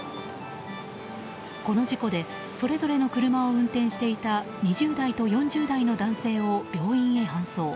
この事故でそれぞれの車を運転していた２０代と４０代の男性を病院へ搬送。